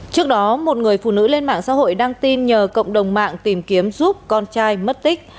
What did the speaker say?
trước đó một người phụ nữ lên mạng xã hội đăng tin nhờ cộng đồng mạng tìm kiếm giúp con trai mất tích